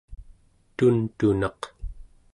tuntunaq